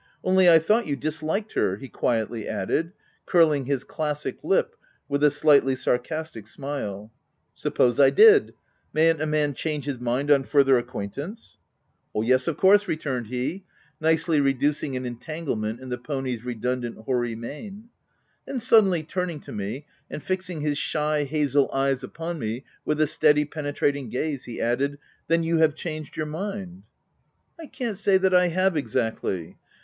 "Only, I thought you disliked her," he quietly added, curling his classic lip with a slightly sarcastic smile. " Suppose I did; mayn't a man change his mind on further acquaintance ?" "Yes, of course," returned he, nicely re OF WILDFELL HALL. 105 ducing an entanglement in the pony's re dundant, hoary mane. Then suddenly turn ing to me, and fixing his shy, hazel eyes upon me with a steady penetrating gaze, he added, "Then you have changed your mind?'* "I can't say that I have exactly.